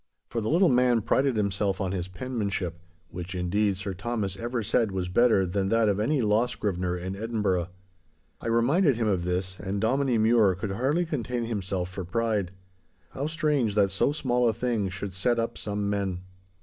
For the little man prided himself on his penmanship—which, indeed, Sir Thomas ever said was better than that of any law scrivener in Edinburgh. I reminded him of this, and Dominie Mure could hardly contain himself for pride. How strange that so small a thing should set up some men!